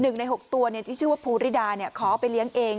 ๑ใน๖ตัวที่ชื่อว่าภูริดาขอเอาไปเลี้ยงเอง